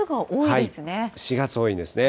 ４月、多いですね。